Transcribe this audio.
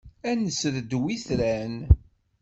Ad nesredwi itran.